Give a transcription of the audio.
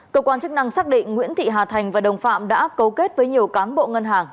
cơ quan chức năng xác định nguyễn thị hà thành và đồng phạm đã cấu kết với nhiều cán bộ ngân hàng